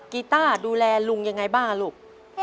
กีต้าดูแลลุงยังไงบ้างลูก